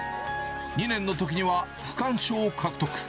２年のときには区間賞を獲得。